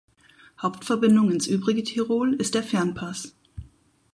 Hauptverbindung ins übrige Tirol ist der Fernpass.